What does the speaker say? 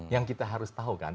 yang kita harus tahu kan